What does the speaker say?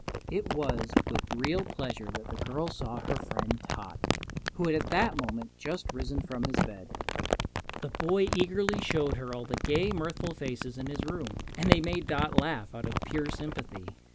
It was with real pleasure that the girl saw her friend Tot, who had at that moment just risen from his bed. The boy eagerly showed her all the gay, mirthful faces in his room, and they made Dot laugh out of pure sympathy.